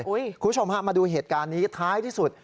คุณผู้ชมฮะมาดูเหตุการณ์นี้ท้ายที่สุด